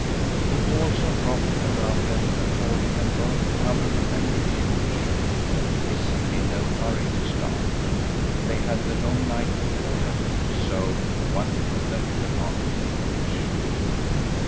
The walls of rock around them afforded them both cover and refuge. They seemed in no hurry to start. They had the long night before them, so one of them remarked in English.